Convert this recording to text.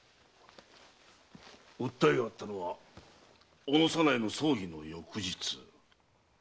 訴えがあったのは小野左内の葬儀の翌日。